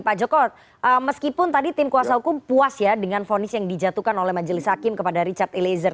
pak joko meskipun tadi tim kuasa hukum puas ya dengan fonis yang dijatuhkan oleh majelis hakim kepada richard eliezer